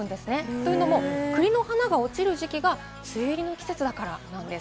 というのも、栗の花が落ちる時期が梅雨入りの季節だからなんです。